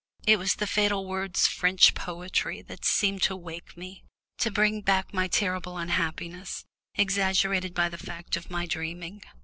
It was the fatal words "French poetry" that seemed to awake me to bring back my terrible unhappiness, exaggerated by the fact of my dreaming.